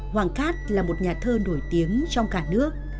hoàng cát là một nhà thơ nổi tiếng trong cả nước